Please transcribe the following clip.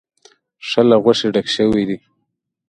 ښه له غوښې ډک شوی دی.